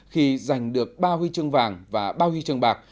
khi giành được ba huy chương vàng và ba huy chương bạc